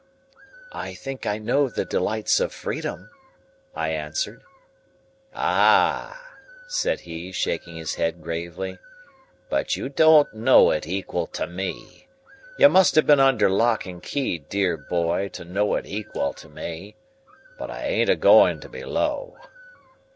"I think I know the delights of freedom," I answered. "Ah," said he, shaking his head gravely. "But you don't know it equal to me. You must have been under lock and key, dear boy, to know it equal to me,—but I ain't a going to be low."